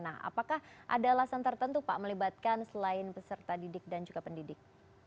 nah apakah ada alasan tertentu pak melibatkan selain peserta didik dan juga pendidik